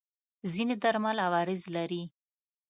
ځینې درمل عوارض لري.